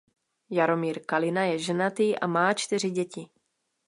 Jaromír Kalina je ženatý a má čtyři děti.